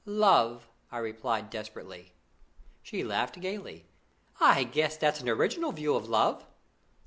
"Love!" I replied desperately. She laughed gaily. "I guess that's an original view of love."